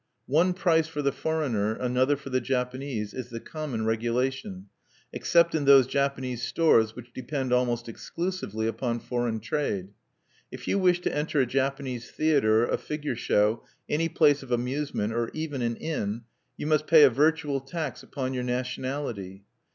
One price for the foreigner, another for the Japanese, is the common regulation, except in those Japanese stores which depend almost exclusively upon foreign trade. If you wish to enter a Japanese theatre, a figure show, any place of amusement, or even an inn, you must pay a virtual tax upon your nationality.